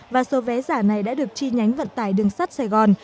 và số vé giả này đã được chi nhánh vận tải đường sắt sài gòn